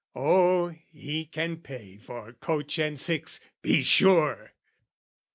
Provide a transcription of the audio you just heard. "Oh, he can pay for coach and six, be sure!"